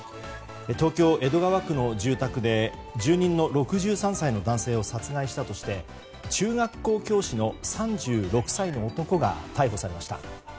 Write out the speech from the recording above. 東京・江戸川区の住宅で住人の６３歳の男性を殺害したとして中学校教師の３６歳の男が逮捕されました。